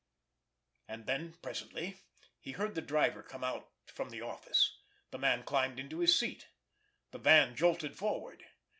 And then presently he heard the driver come out from the office. The man climbed to his seat. The van jolted forward.